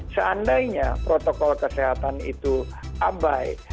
seandainya protokol kesehatan itu abai